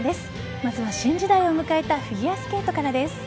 まずは新時代を迎えたフィギュアスケートからです。